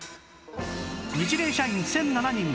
ニチレイ社員１００７人が